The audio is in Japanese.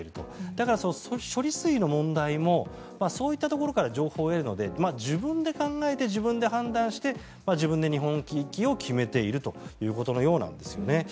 だから、処理水の問題もそういったところから情報を得るので自分で考えて自分で判断して自分で日本行きを決めているということのようなんですよね。